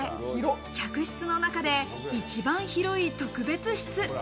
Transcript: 客室の中で一番広い特別室。